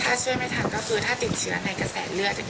ถ้าช่วยไม่ทันก็คือถ้าติดเชื้อในกระแสเลือด